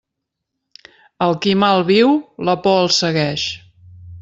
Al qui mal viu, la por el segueix.